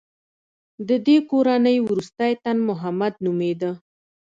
د دې کورنۍ وروستی تن محمد نومېده.